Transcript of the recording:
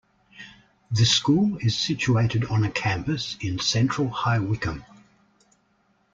The school is situated on a campus in central High Wycombe.